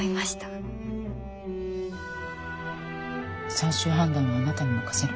最終判断はあなたに任せる。